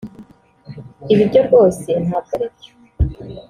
Ibi byo rwose ntabwo ari byo